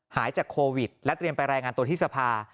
หายจากโควิดและเตรียมไปรายงานตัวที่สภา